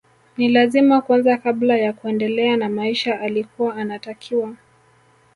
Ni lazima kwanza kabla ya kuendelea na maisha alikuwa anatakiwa